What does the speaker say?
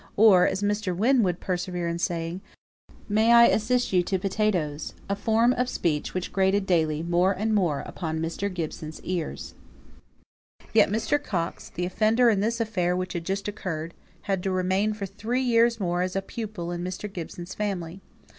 or, as Mr. Wynne would persevere in saying, "May I assist you to potatoes?" a form of speech which grated daily more and more upon Mr. Gibson's ears. Yet Mr. Coxe, the offender in this affair which had just occurred, had to remain for three years more as a pupil in Mr. Gibson's family.